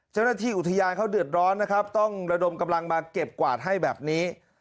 เจ้าหน้าที่อุทยานเขาเดือดร้อนนะครับต้องระดมกำลังมาเก็บกวาดให้แบบนี้